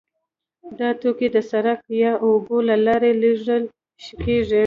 دا توکي د سړک یا اوبو له لارې لیږل کیږي